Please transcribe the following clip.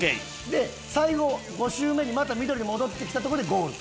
で最後５周目にまた緑に戻ってきたとこでゴール。